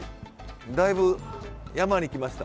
だいぶ山に来ました。